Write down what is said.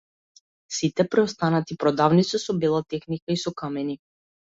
Сите преостанати продавници со бела техника и со камини.